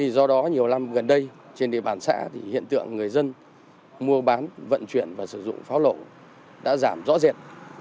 do đó nhiều năm gần đây trên địa bàn xã thì hiện tượng người dân mua bán vận chuyển và sử dụng pháo lậu đã giảm rõ rệt